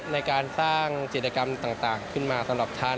ในการสร้างจิตกรรมต่างขึ้นมาสำหรับท่าน